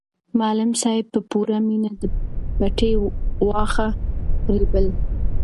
معلم صاحب په پوره مینه د پټي واښه رېبل.